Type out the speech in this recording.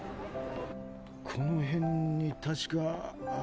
この辺に確かあ。